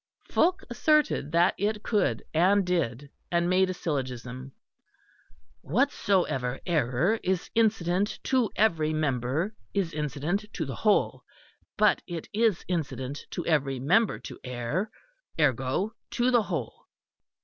Fulke asserted that it could, and did; and made a syllogism: "Whatsoever error is incident to every member, is incident to the whole. But it is incident to every member to err; ergo, to the whole."